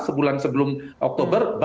sebulan sebelum oktober